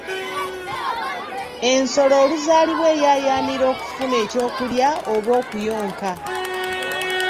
Ensolo oluzaalibwa eyaayanira okufuna eky'okulya oba okuyonka